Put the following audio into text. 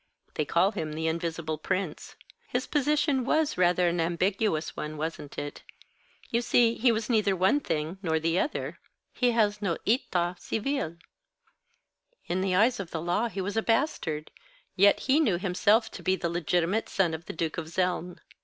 They call him the Invisible Prince. His position was rather an ambiguous one, wasn't it? You see, he was neither one thing nor the other. He has no état civil. In the eyes of the law he was a bastard, yet he knew himself to be the legitimate son of the Duke of Zeln.